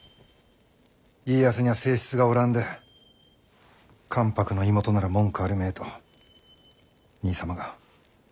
家康にゃ正室がおらんで関白の妹なら文句あるめえと兄様が。